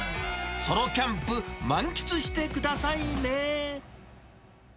ソロキャンプ満喫してくださいね。